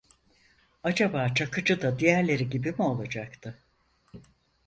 Acaba Çakıcı da diğerleri gibi mi olacaktı?